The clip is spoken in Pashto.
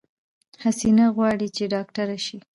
حسينه غواړی چې ډاکټره شی